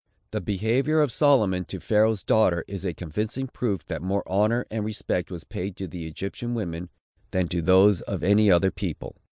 The behavior of Solomon to Pharaoh's daughter is a convincing proof that more honor and respect was paid to the Egyptian women, than to those of any other people.